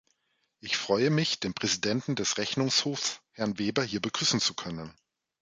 Ich freue mich, den Präsidenten des Rechnungshofs, Herrn Weber, hier begrüßen zu können.